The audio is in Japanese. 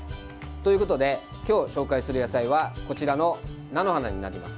ということで今日紹介する野菜はこちらの菜の花になります。